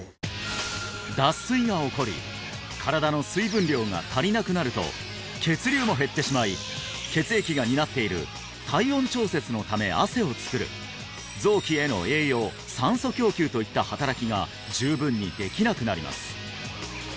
脱水が起こり身体の水分量が足りなくなると血流も減ってしまい血液が担っている体温調節のため汗を作る臓器への栄養酸素供給といった働きが十分にできなくなります